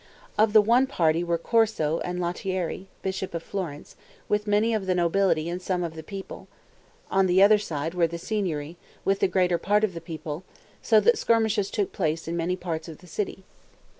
Of the one party were Corso and Lottieri, bishop of Florence, with many of the nobility and some of the people; on the other side were the Signory, with the greater part of the people; so that skirmishes took place in many parts of the city.